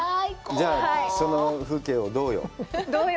じゃあ、その風景をどうよう。